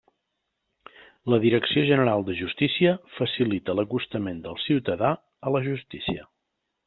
La Direcció General de Justícia facilita l'acostament del ciutadà a la Justícia.